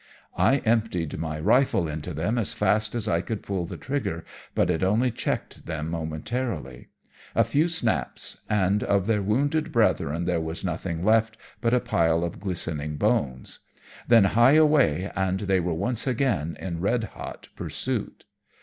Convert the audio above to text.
"I emptied my rifle into them as fast as I could pull the trigger, but it only checked them momentarily. A few snaps, and of their wounded brethren there was nothing left but a pile of glistening bones. Then, hie away, and they were once again in red hot pursuit.